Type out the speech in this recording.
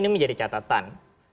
itu ini menjadi catatan